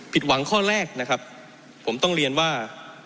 หวังข้อแรกนะครับผมต้องเรียนว่า